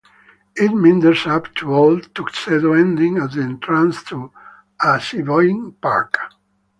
It meanders up to Old Tuxedo ending at the entrance to Assiniboine Park.